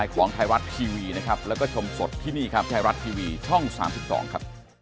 ก็ชมสดที่นี่ครับแชร์รัดทีวีช่อง๓๒ครับ